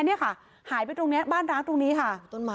นี่ค่ะหายไปตรงนี้บ้านร้างตรงนี้ค่ะต้นไม้